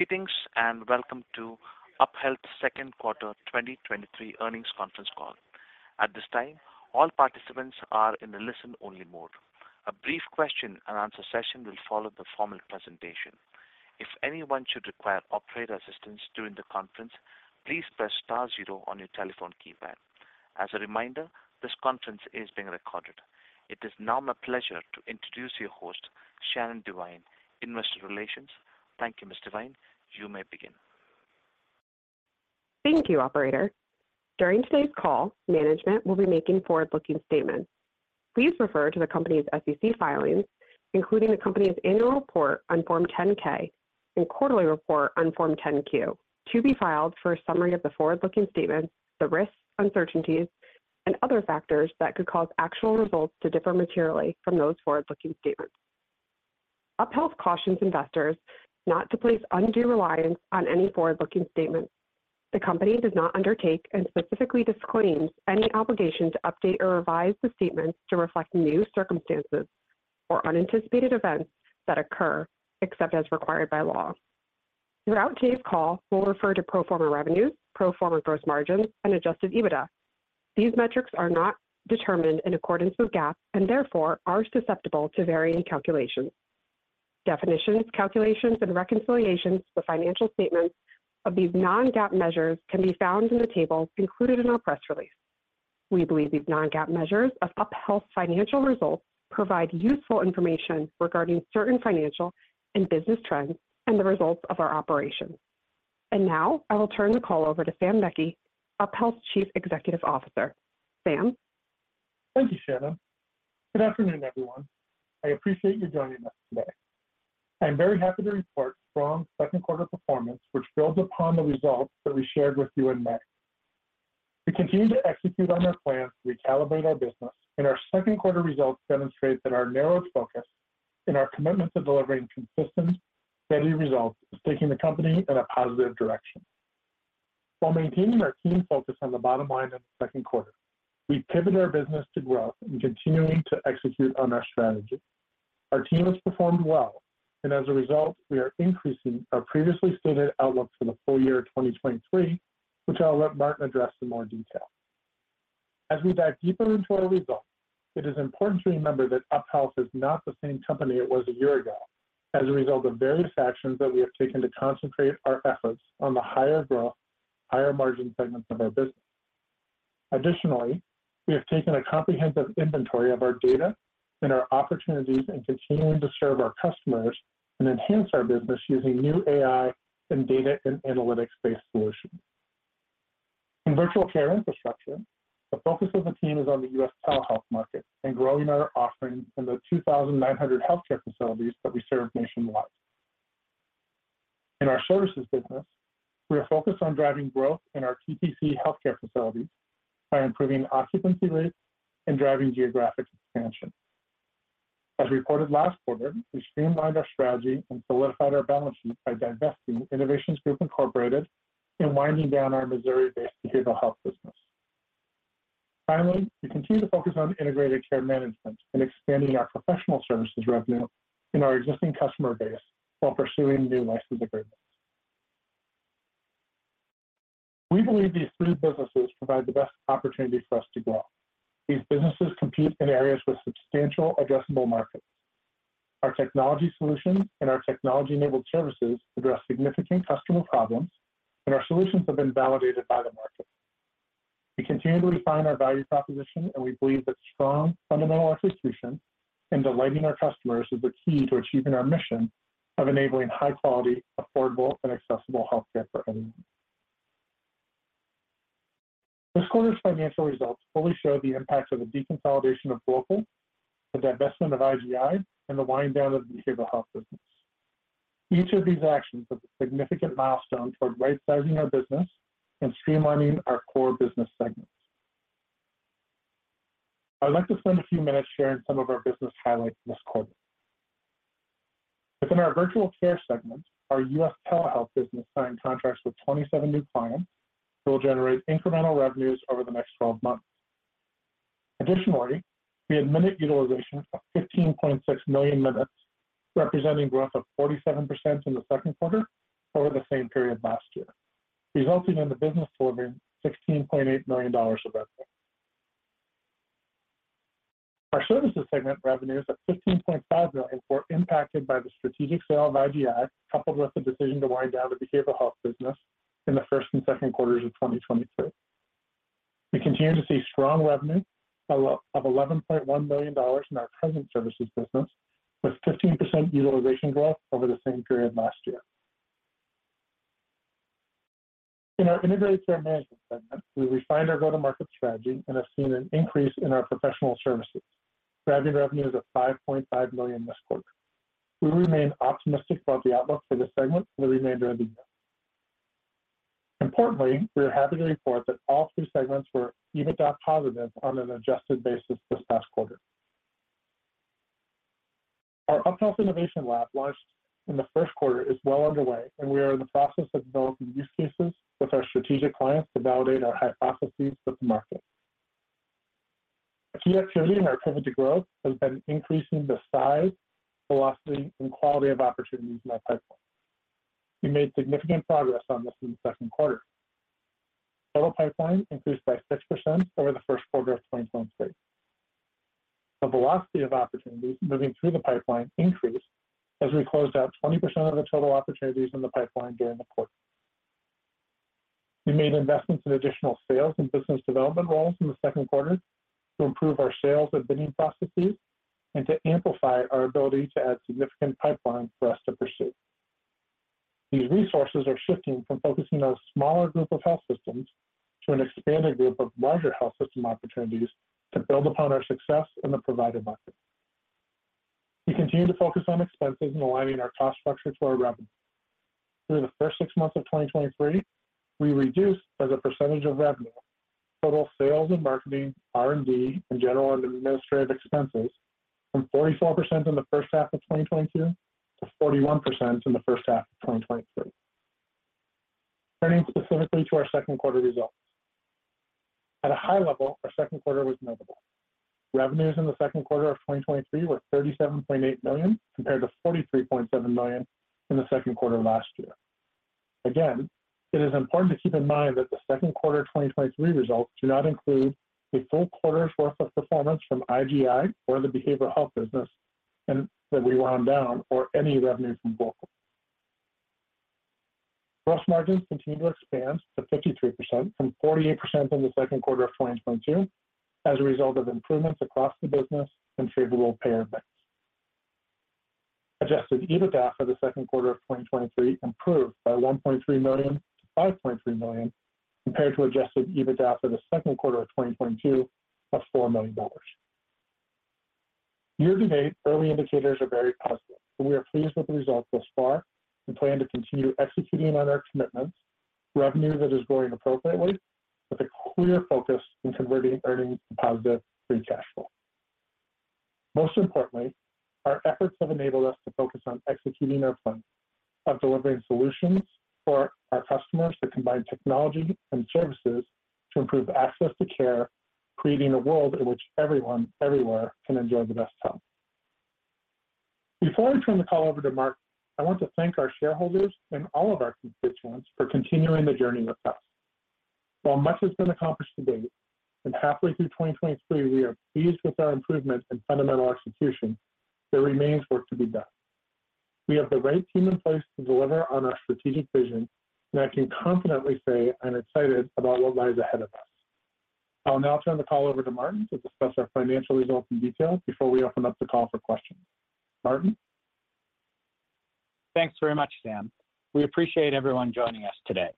Greetings, and welcome to UpHealth's Second Quarter 2023 Earnings Conference Call. At this time, all participants are in a listen-only mode. A brief question-and-answer session will follow the formal presentation. If anyone should require operator assistance during the conference, please press star zero on your telephone keypad. As a reminder, this conference is being recorded. It is now my pleasure to introduce your host, Shannon Devine, Investor Relations. Thank you, Ms. Devine. You may begin. Thank you, operator. During today's call, management will be making forward-looking statements. Please refer to the company's SEC filings, including the company's annual report on Form 10-K and quarterly report on Form 10-Q, to be filed for a summary of the forward-looking statements, the risks, uncertainties and other factors that could cause actual results to differ materially from those forward-looking statements. UpHealth cautions investors not to place undue reliance on any forward-looking statements. The company does not undertake and specifically disclaims any obligation to update or revise the statements to reflect new circumstances or unanticipated events that occur, except as required by law. Throughout today's call, we'll refer to pro forma revenues, pro forma gross margins, and adjusted EBITDA. These metrics are not determined in accordance with GAAP, and therefore are susceptible to varying calculations. Definitions, calculations, and reconciliations for financial statements of these non-GAAP measures can be found in the table included in our press release. We believe these non-GAAP measures of UpHealth's financial results provide useful information regarding certain financial and business trends and the results of our operations. Now, I will turn the call over to Sam Meckey, UpHealth's Chief Executive Officer. Sam? Thank you, Shannon. Good afternoon, everyone. I appreciate you joining us today. I'm very happy to report strong second quarter performance, which builds upon the results that we shared with you in May. We continue to execute on our plans to recalibrate our business, and our second quarter results demonstrate that our narrowed focus and our commitment to delivering consistent, steady results is taking the company in a positive direction. While maintaining our team focused on the bottom line in the second quarter, we've pivoted our business to growth and continuing to execute on our strategy. Our team has performed well, and as a result, we are increasing our previously stated outlook for the full year 2023, which I'll let Martin address in more detail. As we dive deeper into our results, it is important to remember that UpHealth is not the same company it was a year ago, as a result of various actions that we have taken to concentrate our efforts on the higher growth, higher margin segments of our business. Additionally, we have taken a comprehensive inventory of our data and our opportunities in continuing to serve our customers and enhance our business using new AI and data and analytics-based solutions. In virtual care infrastructure, the focus of the team is on the U.S. telehealth market and growing our offerings in the 2,900 healthcare facilities that we serve nationwide. In our services business, we are focused on driving growth in our TTC healthcare facilities by improving occupancy rates and driving geographic expansion. As we reported last quarter, we streamlined our strategy and solidified our balance sheet by divesting Innovations Group Inc. and winding down our Missouri-based behavioral health business. Finally, we continue to focus on integrated care management and expanding our professional services revenue in our existing customer base while pursuing new license agreements. We believe these three businesses provide the best opportunity for us to grow. These businesses compete in areas with substantial addressable markets. Our technology solutions and our technology-enabled services address significant customer problems. Our solutions have been validated by the market. We continue to refine our value proposition. We believe that strong fundamental execution and delighting our customers is the key to achieving our mission of enabling high quality, affordable, and accessible healthcare for anyone. This quarter's financial results fully show the impacts of the deconsolidation of Glocal, the divestment of IGI, and the wind down of the behavioral health business. Each of these actions is a significant milestone toward right sizing our business and streamlining our core business segments. I'd like to spend a few minutes sharing some of our business highlights this quarter. Within our virtual care segment, our US telehealth business signed contracts with 27 new clients who will generate incremental revenues over the next 12 months. Additionally, we had minute utilization of 15.6 million minutes, representing growth of 47% in the second quarter over the same period last year, resulting in the business holding $16.8 million of revenue. Our services segment revenues of $15.5 million were impacted by the strategic sale of IGI, coupled with the decision to wind down the behavioral health business in the first and second quarters of 2023. We continue to see strong revenue of $11.1 million in our present services business, with 15% utilization growth over the same period last year. In our integrated care management segment, we refined our go-to-market strategy and have seen an increase in our professional services. Revenue is at $5.5 million this quarter. We remain optimistic about the outlook for this segment for the remainder of the year. Importantly, we are happy to report that all three segments were EBITDA positive on an an adjusted basis this past quarter. Our UpHealth Innovation Lab, launched in the first quarter, is well underway. We are in the process of developing use cases with our strategic clients to validate our hypotheses with the market. Key activity in our pivot to growth has been increasing the size, velocity, and quality of opportunities in our pipeline. We made significant progress on this in the second quarter. Total pipeline increased by 6% over the first quarter of 2023. The velocity of opportunities moving through the pipeline increased as we closed out 20% of the total opportunities in the pipeline during the quarter. We made investments in additional sales and business development roles in the second quarter to improve our sales and bidding processes, and to amplify our ability to add significant pipeline for us to pursue. These resources are shifting from focusing on a smaller group of health systems to an expanded group of larger health system opportunities to build upon our success in the provider market. We continue to focus on expenses and aligning our cost structure to our revenue. Through the first six months of 2023, we reduced, as a percentage of revenue, total sales and marketing, R&D, and general and administrative expenses from 44% in the first half of 2022 to 41% in the first half of 2023. Turning specifically to our second quarter results. At a high level, our second quarter was notable. Revenues in the second quarter of 2023 were $37.8 million, compared to $43.7 million in the second quarter of last year. It is important to keep in mind that the second quarter 2023 results do not include the full quarter's worth of performance from IGI or the behavioral health business, and that we wound down, or any revenue from Glocal. Gross margins continued to expand to 53% from 48% in the second quarter of 2022, as a result of improvements across the business and favorable payer mix. Adjusted EBITDA for the second quarter of 2023 improved by $1.3 million to $5.3 million, compared to Adjusted EBITDA for the second quarter of 2022 of $4 million. Year-to-date, early indicators are very positive, and we are pleased with the results thus far, and plan to continue executing on our commitments, revenue that is growing appropriately, with a clear focus on converting earnings to positive free cash flow. Most importantly, our efforts have enabled us to focus on executing our plans of delivering solutions for our customers that combine technology and services to improve access to care, creating a world in which everyone, everywhere, can enjoy the best health. Before I turn the call over to Martin, I want to thank our shareholders and all of our constituents for continuing the journey with us. While much has been accomplished to date, and halfway through 2023, we are pleased with our improvements and fundamental execution, there remains work to be done. We have the right team in place to deliver on our strategic vision, and I can confidently say I'm excited about what lies ahead of us. I'll now turn the call over to Martin to discuss our financial results in detail before we open up the call for questions. Martin? Thanks very much, Sam. We appreciate everyone joining us today.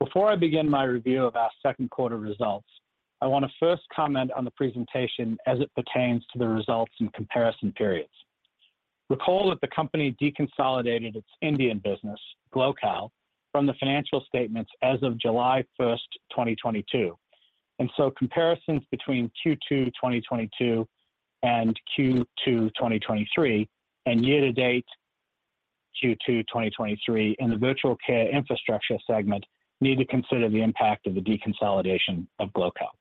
Before I begin my review of our second quarter results, I want to first comment on the presentation as it pertains to the results and comparison periods. Recall that the company deconsolidated its Indian business, Glocal, from the financial statements as of July 1, 2022, and so comparisons between Q2 2022 and Q2 2023, and year-to-date Q2 2023 in the virtual care infrastructure segment, need to consider the impact of the deconsolidation of Glocal.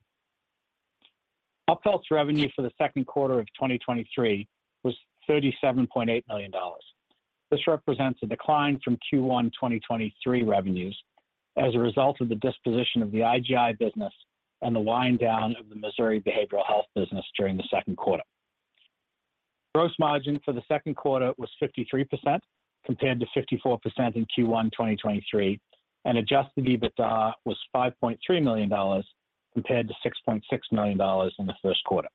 UpHealth's revenue for the second quarter of 2023 was $37.8 million. This represents a decline from Q1 2023 revenues as a result of the disposition of the IGI business and the wind down of the Missouri behavioral health business during the second quarter. Gross margin for the second quarter was 53%, compared to 54% in Q1 2023. Adjusted EBITDA was $5.3 million, compared to $6.6 million in the first quarter.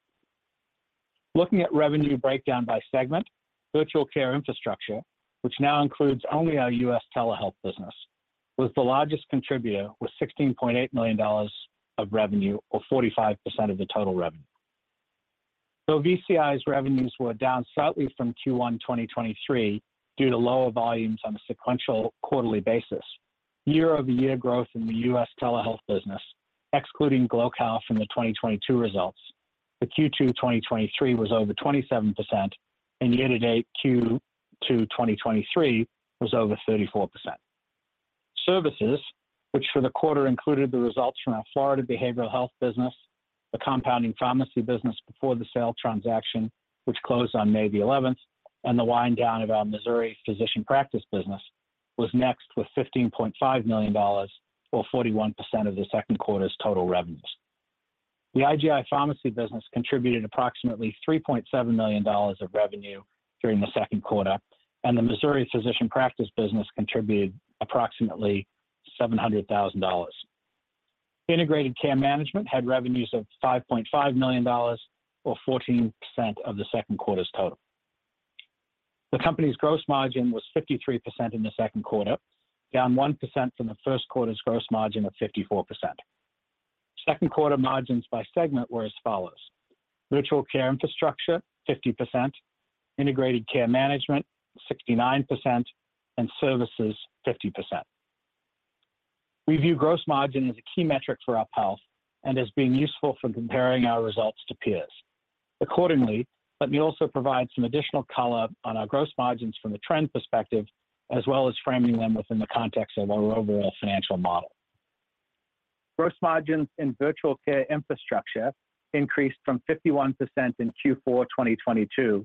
Looking at revenue breakdown by segment, virtual care infrastructure, which now includes only our U.S. telehealth business, was the largest contributor, with $16.8 million of revenue, or 45% of the total revenue. VCI's revenues were down slightly from Q1 2023 due to lower volumes on a sequential quarterly basis. Year-over-year growth in the U.S. telehealth business, excluding Glocal from the 2022 results, the Q2 2023 was over 27%. Year-to-date Q2 2023 was over 34%. Services, which for the quarter included the results from our Florida behavioral health business, the compounding pharmacy business before the sale transaction, which closed on May 11th, and the wind down of our Missouri physician practice business, was next with $15.5 million, or 41% of the second quarter's total revenues. The IGI pharmacy business contributed approximately $3.7 million of revenue during the second quarter, and the Missouri physician practice business contributed approximately $700,000. Integrated care management had revenues of $5.5 million, or 14% of the second quarter's total. The company's gross margin was 53% in the second quarter, down 1% from the first quarter's gross margin of 54%. Second quarter margins by segment were as follows: Virtual care infrastructure, 50%, integrated care management, 69%, and services, 50%. We view gross margin as a key metric for UpHealth and as being useful for comparing our results to peers. Accordingly, let me also provide some additional color on our gross margins from a trend perspective, as well as framing them within the context of our overall financial model. Gross margins in virtual care infrastructure increased from 51% in Q4 2022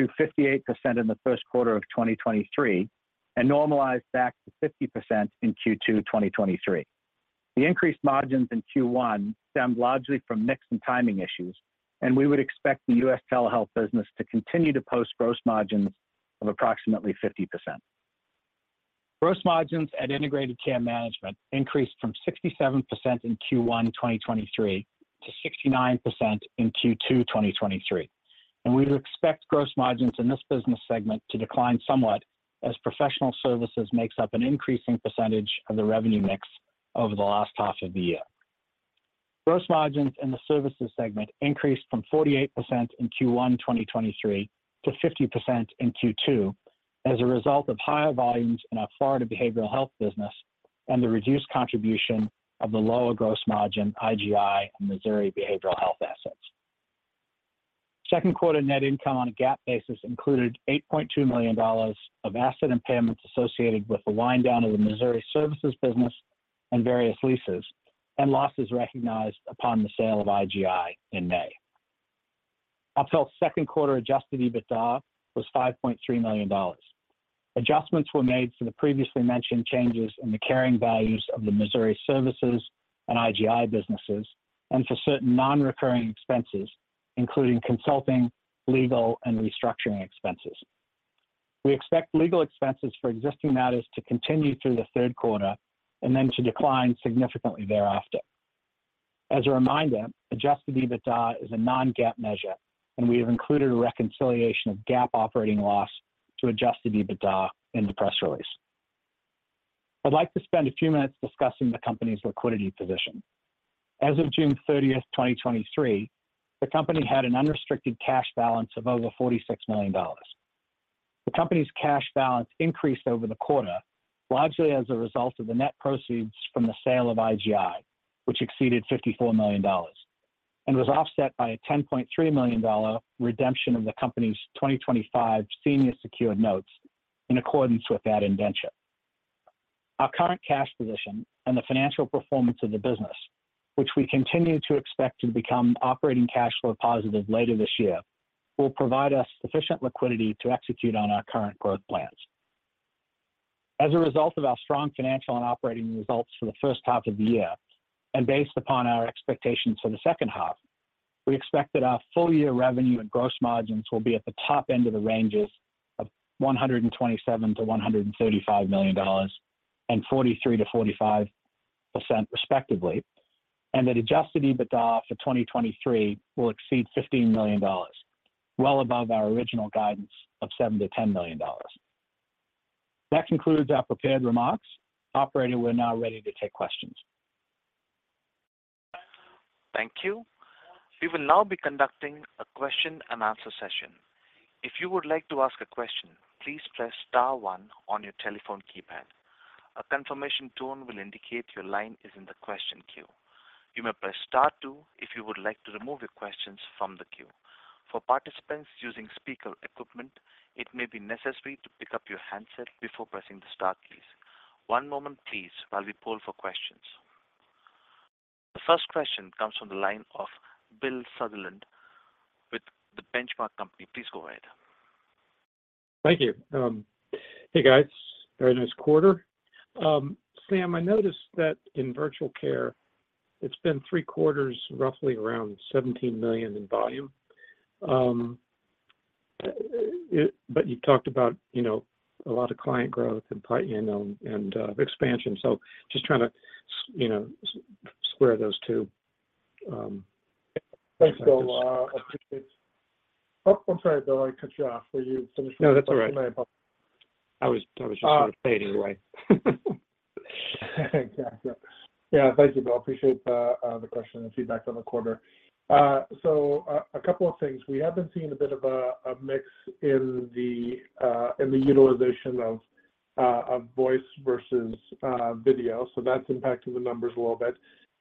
to 58% in Q1 2023, and normalized back to 50% in Q2 2023. The increased margins in Q1 stemmed largely from mix and timing issues, and we would expect the U.S. telehealth business to continue to post gross margins of approximately 50%. Gross margins at Integrated Care Management increased from 67% in Q1 2023 to 69% in Q2 2023. We would expect gross margins in this business segment to decline somewhat as professional services makes up an increasing percentage of the revenue mix over the last half of the year. Gross margins in the services segment increased from 48% in Q1 2023 to 50% in Q2, as a result of higher volumes in our Florida behavioral health business and the reduced contribution of the lower gross margin IGI and Missouri behavioral health assets. Second quarter net income on a GAAP basis included $8.2 million of asset impairments associated with the wind down of the Missouri services business and various leases, and losses recognized upon the sale of IGI in May. Up until second quarter, Adjusted EBITDA was $5.3 million. Adjustments were made to the previously mentioned changes in the carrying values of the Missouri services and IGI businesses, and for certain non-recurring expenses, including consulting, legal, and restructuring expenses. We expect legal expenses for existing matters to continue through the third quarter and then to decline significantly thereafter. As a reminder, Adjusted EBITDA is a non-GAAP measure, and we have included a reconciliation of GAAP operating loss to Adjusted EBITDA in the press release. I'd like to spend a few minutes discussing the company's liquidity position. As of June 30, 2023, the company had an unrestricted cash balance of over $46 million. The company's cash balance increased over the quarter, largely as a result of the net proceeds from the sale of IGI, which exceeded $54 million, was offset by a $10.3 million redemption of the company's 2025 senior secured notes in accordance with that indenture. Our current cash position and the financial performance of the business, which we continue to expect to become operating cash flow positive later this year, will provide us sufficient liquidity to execute on our current growth plans. As a result of our strong financial and operating results for the first half of the year, and based upon our expectations for the second half, we expect that our full-year revenue and gross margins will be at the top end of the ranges of $127 million-$135 million and 43%-45% respectively, and that adjusted EBITDA for 2023 will exceed $15 million, well above our original guidance of $7 million-$10 million. That concludes our prepared remarks. Operator, we're now ready to take questions. Thank you. We will now be conducting a question and answer session. If you would like to ask a question, please press star one on your telephone keypad. A confirmation tone will indicate your line is in the question queue. You may press star two if you would like to remove your questions from the queue. For participants using speaker equipment, it may be necessary to pick up your handset before pressing the star keys. One moment please, while we poll for questions. The first question comes from the line of Bill Sutherland with The Benchmark Company. Please go ahead. Thank you. Hey, guys. Very nice quarter. Sam, I noticed that in virtual care, it's been three quarters, roughly around $17 million in volume. You talked about, you know, a lot of client growth and you know, and expansion. Just trying to, you know, square those two... Thanks, Bill. appreciate... Oh, I'm sorry, Bill, I cut you off. Were you finished? No, that's all right. My ap- I was, I was just gonna say anyway. Exactly. Yeah. Thank you, Bill. Appreciate the question and feedback on the quarter. So a couple of things. We have been seeing a bit of a mix in the utilization of voice versus video, so that's impacting the numbers a little bit.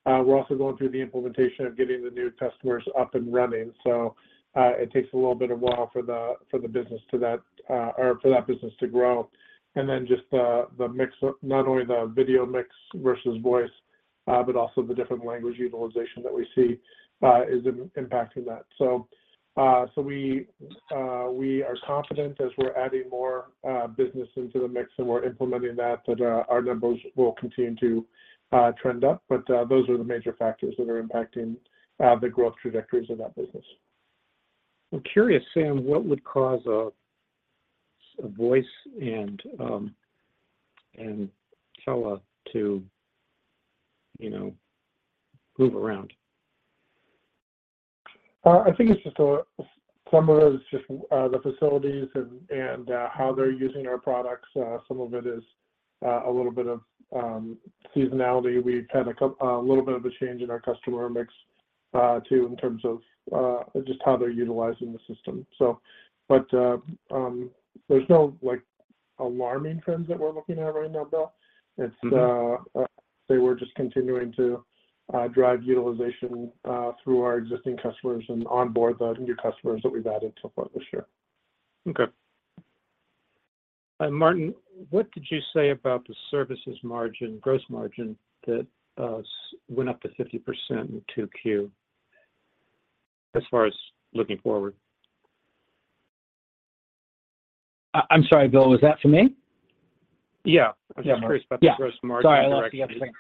We're also going through the implementation of getting the new customers up and running, so it takes a little bit of while for the for the business to that or for that business to grow. Then just the mix of not only the video mix versus voice, but also the different language utilization that we see, is impacting that. We, we are confident as we're adding more business into the mix and we're implementing that, that, our numbers will continue to trend up. Those are the major factors that are impacting the growth trajectories of that business. I'm curious, Sam, what would cause a, a voice and, and tele to, you know, move around? I think it's just a some of it is just, the facilities and, and, how they're using our products. some of it is, a little bit of, seasonality. We've had a little bit of a change in our customer mix, too, in terms of, just how they're utilizing the system. there's no alarming trends that we're looking at right now, Bill. Mm-hmm. It's, say we're just continuing to drive utilization through our existing customers and onboard the new customers that we've added so far this year. Okay. Martin, what did you say about the services margin, gross margin, that went up to 50% in 2Q, as far as looking forward? I'm sorry, Bill, was that for me? Yeah. Yeah. I was just curious about the gross margin direction. Yeah. Sorry, I lost the other thing.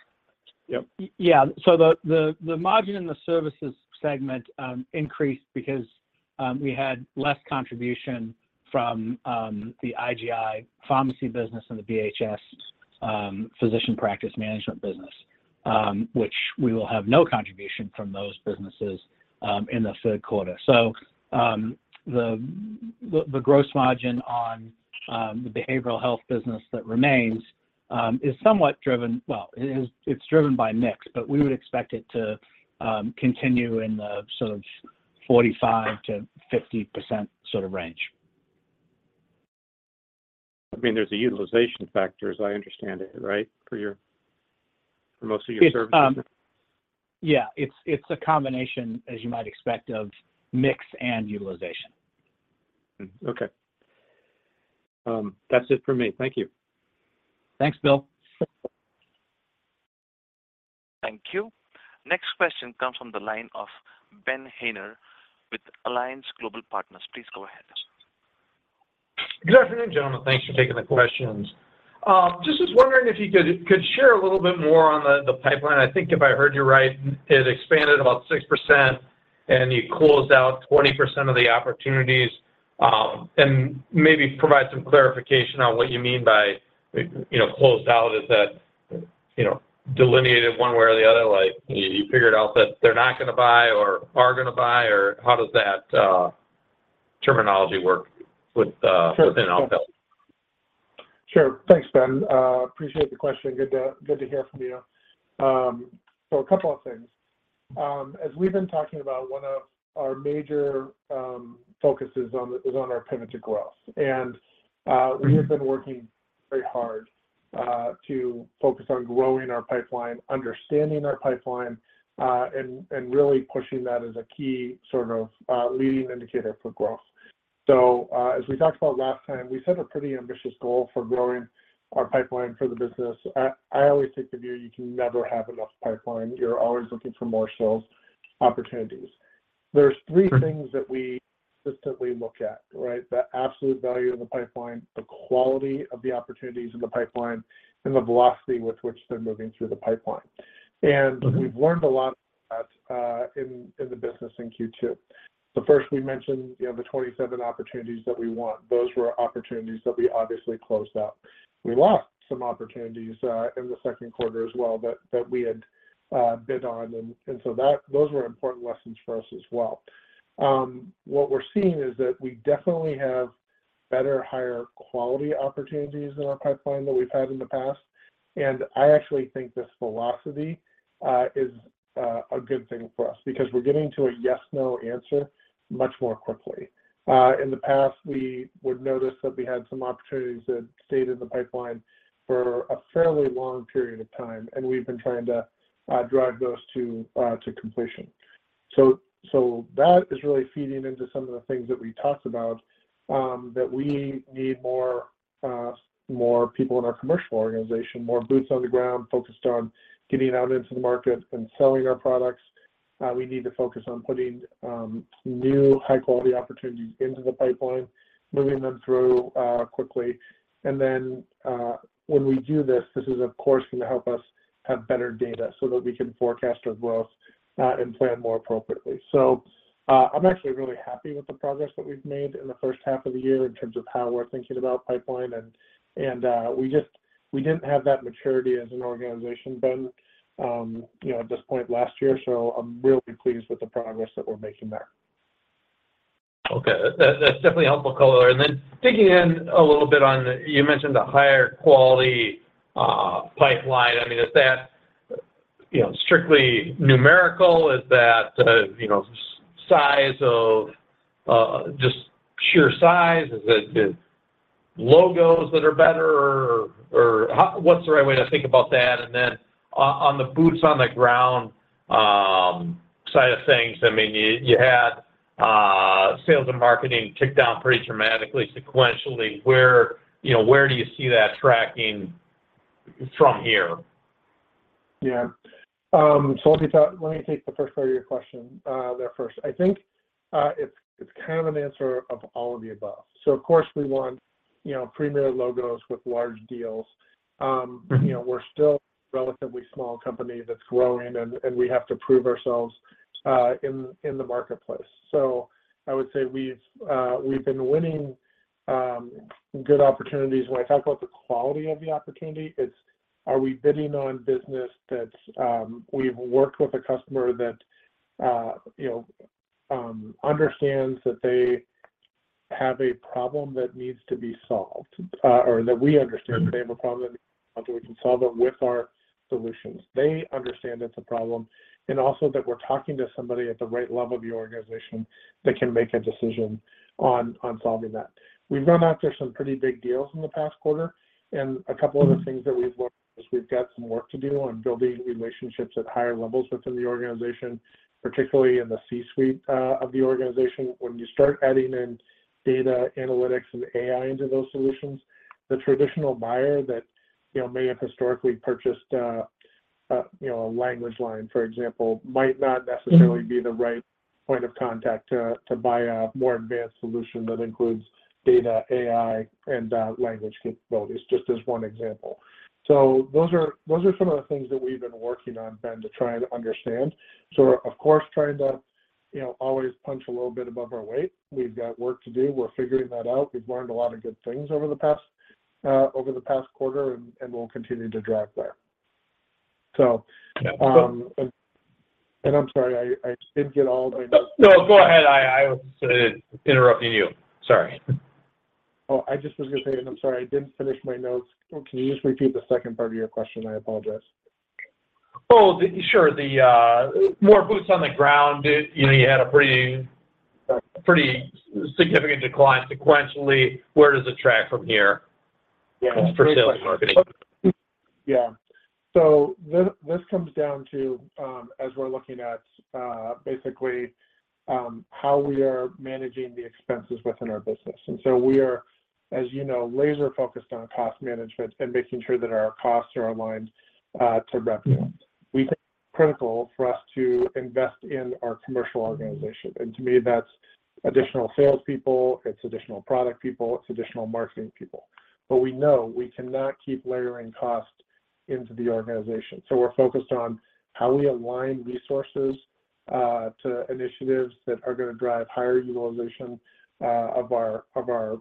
Yep. Yeah, the, the, the margin in the services segment increased because we had less contribution from the IGI pharmacy business and the BHS physician practice management business, which we will have no contribution from those businesses in the third quarter. The, the, the gross margin on the behavioral health business that remains is somewhat driven, well, it is, it's driven by mix, but we would expect it to continue in the sort of 45%-50% sort of range. I mean, there's a utilization factor, as I understand it, right? For your, for most of your services. Yeah, it's, it's a combination, as you might expect, of mix and utilization. Okay. That's it for me. Thank you. Thanks, Bill. Thank you. Next question comes from the line of Ben Haynor with Alliance Global Partners. Please go ahead. Good afternoon, gentlemen. Thanks for taking the questions. Just was wondering if you could, could share a little bit more on the, the pipeline. I think if I heard you right, it expanded about 6%, and you closed out 20% of the opportunities. Maybe provide some clarification on what you mean by, you know, closed out. Is that, you know, delineated one way or the other, like, you, you figured out that they're not gonna buy or are gonna buy, or how does that terminology work with? Sure within UpHealth? Sure. Thanks, Ben. Appreciate the question. Good to, good to hear from you. A couple of things. As we've been talking about, one of our major, focuses on is on our pivot to growth. Mm-hmm. We have been working very hard to focus on growing our pipeline, understanding our pipeline, and really pushing that as a key sort of leading indicator for growth. As we talked about last time, we set a pretty ambitious goal for growing our pipeline for the business. I always take the view, you can never have enough pipeline. You're always looking for more sales opportunities. Sure. There's three things that we consistently look at, right? The absolute value of the pipeline, the quality of the opportunities in the pipeline, and the velocity with which they're moving through the pipeline. Mm-hmm. We've learned a lot in the, in the business in Q2. First, we mentioned, you know, the 27 opportunities that we won. Those were opportunities that we obviously closed out. We lost some opportunities in the 2nd quarter as well, that we had bid on and so that, those were important lessons for us as well. What we're seeing is that we definitely have better, higher quality opportunities in our pipeline than we've had in the past, and I actually think this velocity is a good thing for us because we're getting to a yes/no answer much more quickly. In the past, we would notice that we had some opportunities that stayed in the pipeline for a fairly long period of time, and we've been trying to drive those to completion. That is really feeding into some of the things that we talked about, that we need more, more people in our commercial organization, more boots on the ground, focused on getting out into the market and selling our products. We need to focus on putting new, high-quality opportunities into the pipeline, moving them through quickly. Then, when we do this, this is, of course, gonna help us have better data so that we can forecast our growth and plan more appropriately. I'm actually really happy with the progress that we've made in the first half of the year in terms of how we're thinking about pipeline. We just, we didn't have that maturity as an organization then, you know, at this point last year, so I'm really pleased with the progress that we're making there. Okay. That, that, that's definitely helpful color. Digging in a little bit on, you mentioned the higher quality pipeline. I mean, is that, you know, strictly numerical? Is that, you know, size of just sheer size? Is it the logos that are better, or, or how? What's the right way to think about that? On the boots on the ground side of things, I mean, you, you had sales and marketing ticked down pretty dramatically sequentially. Where, you know, where do you see that tracking from here? Yeah. Let me take the first part of your question there first. I think it's kind of an answer of all of the above. Of course, we want, you know, premier logos with large deals. Mm-hmm... you know, we're still a relatively small company that's growing, and, and we have to prove ourselves, in, in the marketplace. I would say we've, we've been winning, good opportunities. When I talk about the quality of the opportunity, it's are we bidding on business that's, we've worked with a customer that, you know, understands that they have a problem that needs to be solved, or that we understand they have a problem that needs-...that we can solve it with our solutions. They understand it's a problem, and also that we're talking to somebody at the right level of the organization that can make a decision on, on solving that. We've gone after some pretty big deals in the past quarter, and a couple of the things that we've learned is we've got some work to do on building relationships at higher levels within the organization, particularly in the C-suite of the organization. When you start adding in data analytics and AI into those solutions, the traditional buyer that, you know, may have historically purchased, you know, a LanguageLine, for example, might not necessarily be the right point of contact to, to buy a more advanced solution that includes data, AI, and language capabilities, just as one example. Those are, those are some of the things that we've been working on, Ben, to try to understand. We're, of course, trying to, you know, always punch a little bit above our weight. We've got work to do. We're figuring that out. We've learned a lot of good things over the past, over the past quarter, and, and we'll continue to drive there. Yeah. I'm sorry, I, I didn't get all my notes. No, go ahead. I, I was interrupting you. Sorry. Oh, I just was gonna say, and I'm sorry, I didn't finish my notes. Can you just repeat the second part of your question? I apologize. Oh, the... Sure. The, more boots on the ground. You, you know, you had a pretty, pretty significant decline sequentially. Where does it track from here? Yeah for sales and marketing? Yeah. This, this comes down to, as we're looking at, basically, how we are managing the expenses within our business. We are, as you know, laser-focused on cost management and making sure that our costs are aligned, to revenue. We think it's critical for us to invest in our commercial organization, and to me, that's additional salespeople, it's additional product people, it's additional marketing people. We know we cannot keep layering cost into the organization. We're focused on how we align resources, to initiatives that are gonna drive higher utilization, of our, of our,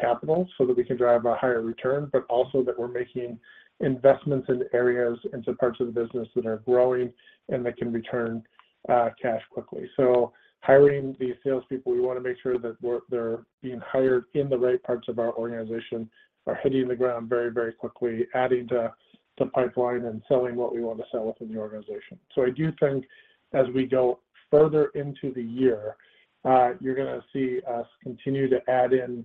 capital so that we can drive a higher return, but also that we're making investments in areas, into parts of the business that are growing and that can return, cash quickly. Hiring these salespeople, we want to make sure that they're being hired in the right parts of our organization, are hitting the ground very, very quickly, adding to the pipeline and selling what we want to sell within the organization. I do think as we go further into the year, you're going to see us continue to add in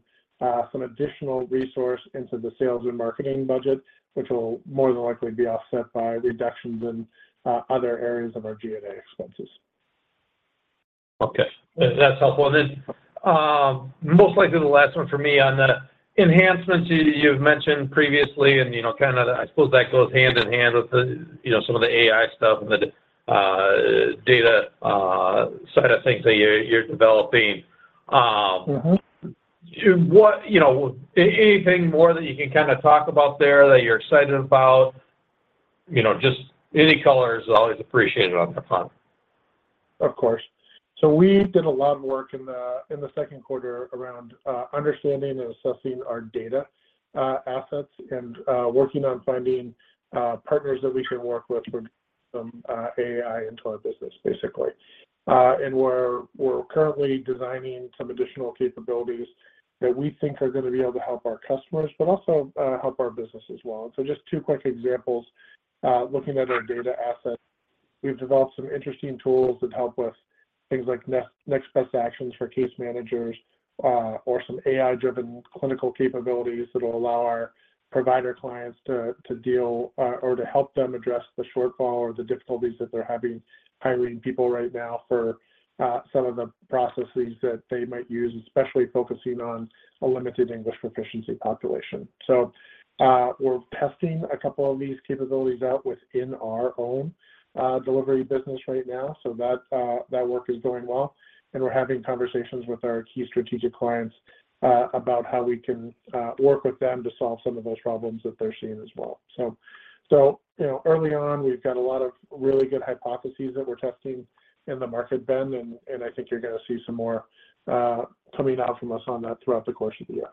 some additional resource into the sales and marketing budget, which will more than likely be offset by reductions in other areas of our G&A expenses. Okay. That's helpful. Most likely the last one for me on the enhancements you, you've mentioned previously, and, you know, kind of I suppose that goes hand in hand with the, you know, some of the AI stuff and the data side of things that you're, you're developing. Mm-hmm. Do you what, you know, anything more that you can kind of talk about there that you're excited about? You know, just any color is always appreciated on the front. Of course. We did a lot of work in the second quarter around understanding and assessing our data assets and working on finding partners that we can work with to bring some AI into our business, basically. And we're currently designing some additional capabilities that we think are gonna be able to help our customers but also help our business as well. Just two quick examples, looking at our data assets, we've developed some interesting tools that help with things like next best actions for case managers, or some AI-driven clinical capabilities that will allow our provider clients to deal or to help them address the shortfall or the difficulties that they're having hiring people right now for some of the processes that they might use, especially focusing on a limited English proficiency population. We're testing a couple of these capabilities out within our own delivery business right now, so that that work is going well, and we're having conversations with our key strategic clients about how we can work with them to solve some of those problems that they're seeing as well. You know, early on, we've got a lot of really good hypotheses that we're testing in the market, Ben, and I think you're gonna see some more coming out from us on that throughout the course of the year.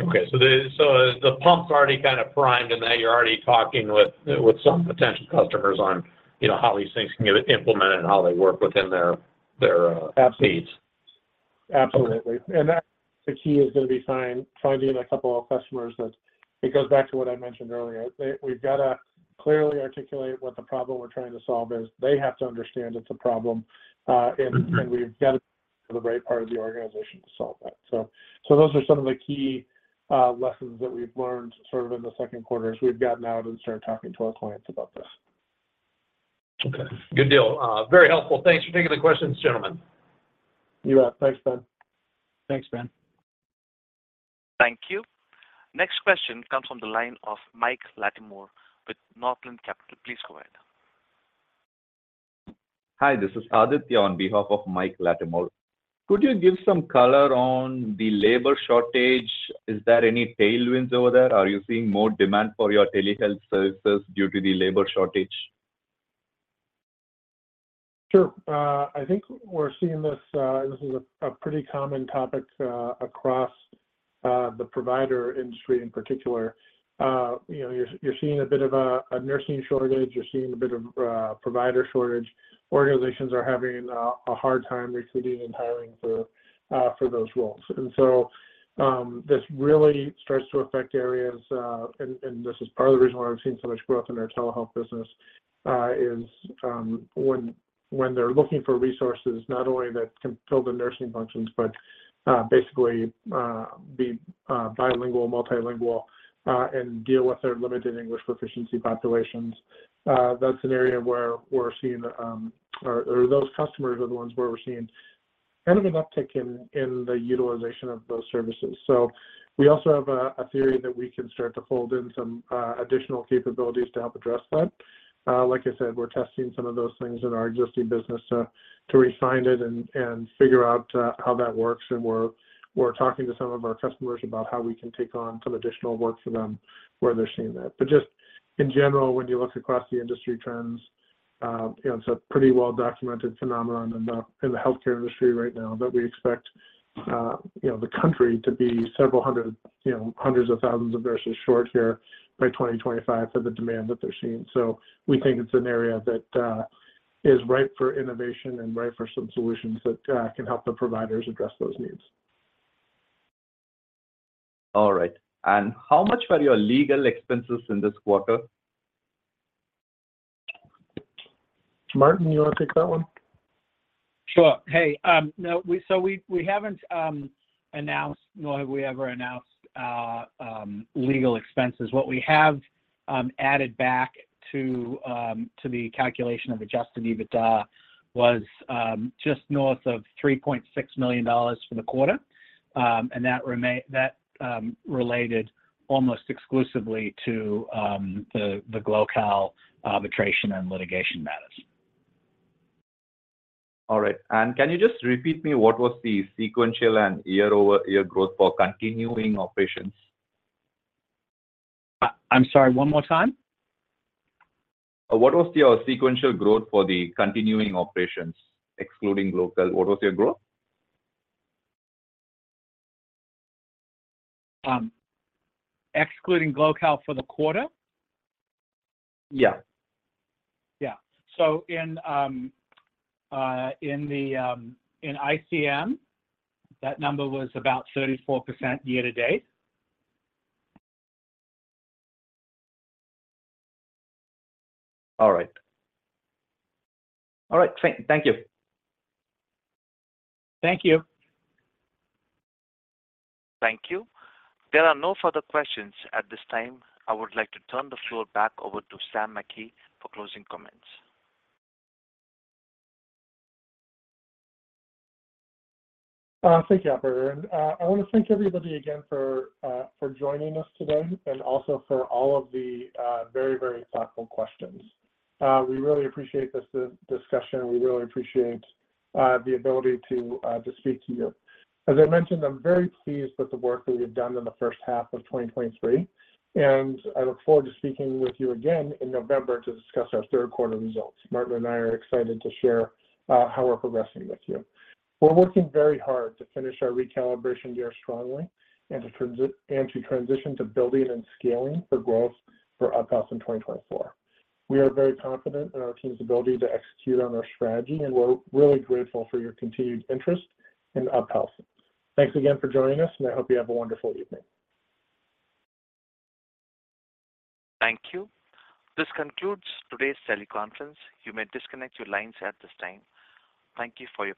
Okay. The, so the pump's already kind of primed, and now you're already talking with, with some potential customers on, you know, how these things can get implemented and how they work within their, their... Absolutely -needs. Absolutely. That, the key is gonna be finding a couple of customers that... It goes back to what I mentioned earlier. We've got to clearly articulate what the problem we're trying to solve is. They have to understand it's a problem, and we've got to the right part of the organization to solve it. Those are some of the key lessons that we've learned sort of in the second quarter as we've gotten out and started talking to our clients about this. Okay. Good deal. Very helpful. Thanks for taking the questions, gentlemen. You bet. Thanks, Ben. Thanks, Ben. Thank you. Next question comes from the line of Mike Latimore with Northland Capital. Please go ahead. Hi, this is Aditya on behalf of Mike Latimore. Could you give some color on the labor shortage? Is there any tailwinds over there? Are you seeing more demand for your telehealth services due to the labor shortage? Sure. I think we're seeing this. This is a pretty common topic across the provider industry in particular. You know, you're seeing a bit of a nursing shortage, you're seeing a bit of provider shortage. Organizations are having a hard time recruiting and hiring for those roles. This really starts to affect areas, and this is part of the reason why we're seeing so much growth in our telehealth business, is when they're looking for resources, not only that can fill the nursing functions, but basically be bilingual, multilingual, and deal with their limited English proficiency populations. That's an area where we're seeing, or, or those customers are the ones where we're seeing kind of an uptick in, in the utilization of those services. We also have a, a theory that we can start to fold in some additional capabilities to help address that. Like I said, we're testing some of those things in our existing business, to refine it and, and figure out, how that works. We're, we're talking to some of our customers about how we can take on some additional work for them where they're seeing that. Just in general, when you look across the industry trends, you know, it's a pretty well-documented phenomenon in the, in the healthcare industry right now, that we expect, you know, the country to be several hundred, you know, hundreds of thousands of nurses short here by 2025 for the demand that they're seeing. We think it's an area that is ripe for innovation and ripe for some solutions that can help the providers address those needs. All right. How much were your legal expenses in this quarter? Martin, you wanna take that one? Sure. Hey, we haven't announced, nor have we ever announced, legal expenses. What we have added back to the calculation of adjusted EBITDA was just north of $3.6 million for the quarter. That related almost exclusively to the, the Glocal arbitration and litigation matters. All right. Can you just repeat me what was the sequential and year-over-year growth for continuing operations? I'm sorry, one more time? What was your sequential growth for the continuing operations, excluding Glocal? What was your growth? Excluding Glocal for the quarter? Yeah. Yeah. In ICM, that number was about 34% year to date. All right. All right, thank, thank you. Thank you. Thank you. There are no further questions at this time. I would like to turn the floor back over to Sam Meckey for closing comments. Thank you, Operator. I wanna thank everybody again for joining us today and also for all of the very, very thoughtful questions. We really appreciate this discussion. We really appreciate the ability to speak to you. As I mentioned, I'm very pleased with the work that we've done in the first half of 2023. I look forward to speaking with you again in November to discuss our third quarter results. Martin and I are excited to share how we're progressing with you. We're working very hard to finish our recalibration year strongly and to transition to building and scaling for growth for UpHealth in 2024. We are very confident in our team's ability to execute on our strategy. We're really grateful for your continued interest in UpHealth. Thanks again for joining us, and I hope you have a wonderful evening. Thank you. This concludes today's teleconference. You may disconnect your lines at this time. Thank you for your participation.